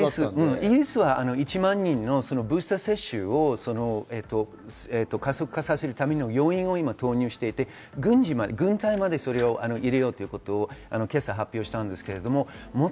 イギリスでは１万人のブースター接種を加速化させるための病院を今投入していて、軍隊まで入れようということを今朝発表しました。